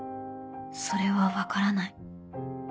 それは分からない